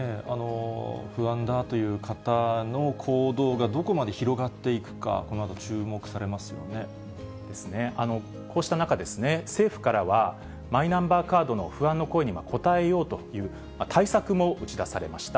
不安だという方の行動がどこまで広がっていくか、このあと注こうした中、政府からは、マイナンバーカードの不安の声に応えようという対策も打ち出されました。